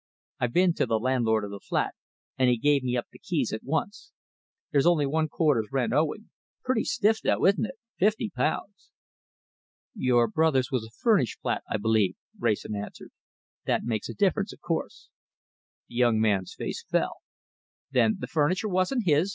"I've been to the landlord of the flat, and he gave me up the keys at once. There's only one quarter's rent owing. Pretty stiff though isn't it? Fifty pounds!" "Your brother's was a furnished flat, I believe," Wrayson answered. "That makes a difference, of course." The young man's face fell. "Then the furniture wasn't his?"